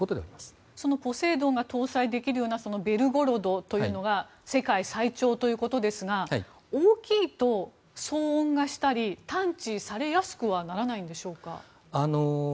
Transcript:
そのポセイドンが搭載できるような「ベルゴロド」が世界最長ということですが大きいと、騒音がしたり探知されやすくはならないんでしょうか？